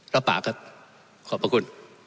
รับปากครับขอบพระคุณ